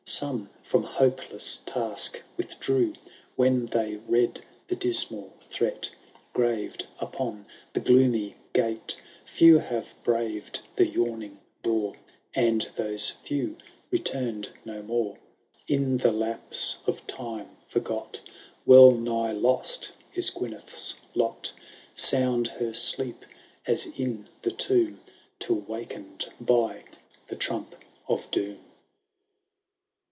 Some from hopeless task withdrew, When they read the dismal threat Grayed upon the gloomy gate. Few haye brayed the yawning door. And those few returned no more. In the lapse of time forgot, Wellnlgh lost is Oyneth'S lot ; Sound her deep as in the tomb. Till waken*d by the tmmp of doom."